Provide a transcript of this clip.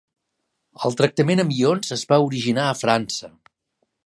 El tractament amb ions es va originar a França.